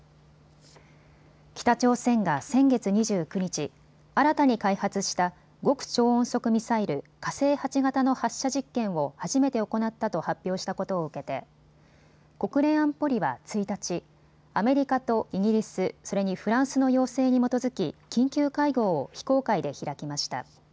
北朝鮮が先月２９日、新たに開発した極超音速ミサイル火星８型の発射実験を初めて行ったと発表したことを受けて国連安保理は１日、アメリカとイギリス、それにフランスの要請に基づき緊急会合を非公開で開きました。